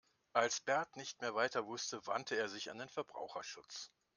Als Bert nicht mehr weiter wusste, wandte er sich an den Verbraucherschutz.